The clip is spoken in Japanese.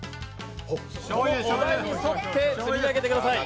お題に沿って、積み上げてください